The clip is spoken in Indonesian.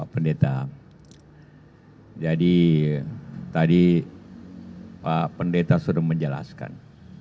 pak pendeta sudah menjelaskan